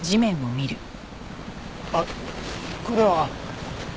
あっこれは。